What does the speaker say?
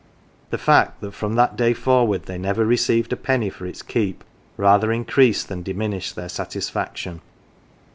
The fact that from that day forward they never received a penny for its keep rather increased than diminished their satisfaction.